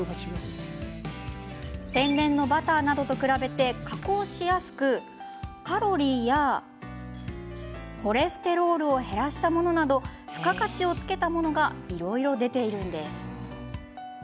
天然のバターなどと比べて加工がしやすく、カロリーやコレステロールを減らしたものなど付加価値をつけたものがいろいろ出ているんです。